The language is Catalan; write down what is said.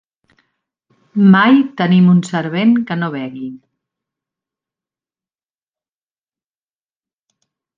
Mai tenim un servent que no begui.